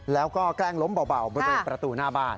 แล้วก็แกล้งล้มเบาบริเวณประตูหน้าบ้าน